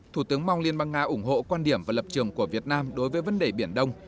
thủ tướng mong liên bang nga ủng hộ quan điểm và lập trường của việt nam đối với vấn đề biển đông